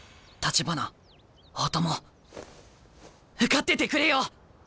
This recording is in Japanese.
橘大友受かっててくれよ！